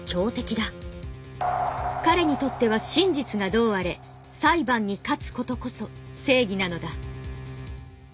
彼にとっては真実がどうあれ裁判に「勝つこと」こそ正義なのだ。